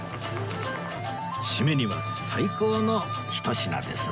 締めには最高のひと品ですねえ